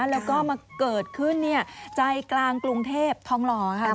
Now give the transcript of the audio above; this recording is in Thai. แล้วก็มาเกิดขึ้นใจกลางกรุงเทพธองหล่อค่ะคุณ